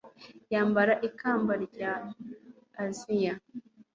yambara ikamba rya aziya